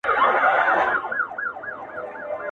ككرۍ چي يې وهلې د بتانو!.